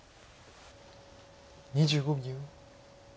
２５秒。